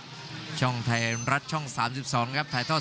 วันนี้ดังนั้นก็จะเป็นรายการมวยไทยสามยกที่มีความสนุกความสนุกความเดือดนะครับ